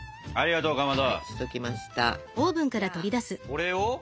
これを？